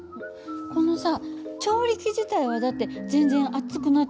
このさ調理器自体はだって全然熱くなってないのよ。